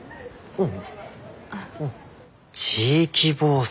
うん。